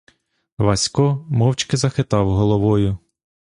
Васько мовчки захитав головою.